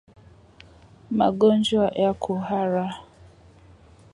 Magonjwa ya kuhara